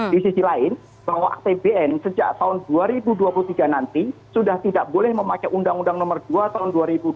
di sisi lain bahwa apbn sejak tahun dua ribu dua puluh tiga nanti sudah tidak boleh memakai undang undang nomor dua tahun dua ribu dua puluh